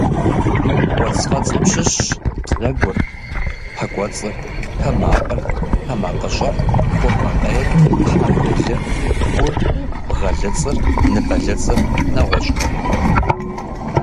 Кӏуэцӏфэцӏым щыщщ бзэгур, пэ кӏуэцӏыр, тэмакъыр, тэмакъыщӏэр, къурмакъейр, тхьэмбылыр, гур, бгъэлыцӏыр, ныбэлыцӏыр, нэгъуэщӏхэри.